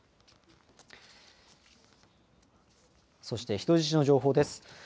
そして人質の情報です。